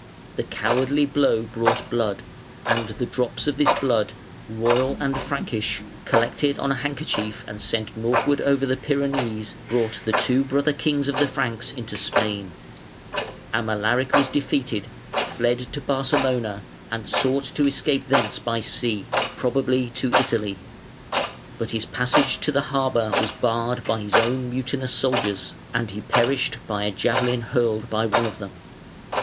The cowardly blow brought blood, and the drops of this blood, royal and Frankish, collected on a handkerchief and sent northward over the Pyrenees, brought the two brother kings of the Franks into Spain (431). Amalaric was defeated, fled to Barcelona, and sought to escape thence by sea, probably to Italy; but his passage to the harbour was barred by his own mutinous soldiers, and he perished by a javelin hurled by one of them.